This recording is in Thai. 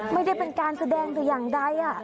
ไม่ได้เป็นการแสดงแต่อย่างใด